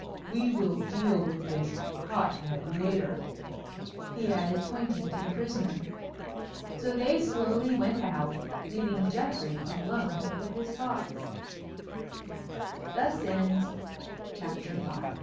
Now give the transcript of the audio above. We will deal with this hot head later," he added, pointing to the prisoner. So they slowly went out, leaving Geoffrey alone with his thoughts. [Illustrati